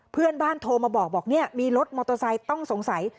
เพื่อนบ้านโทรมาบอกมีรถมอเตอร์ไซค์ต้องสงสัย